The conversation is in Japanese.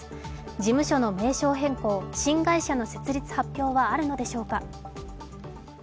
事務所の名称変更、新会社の設立発表はあるのでしょうか。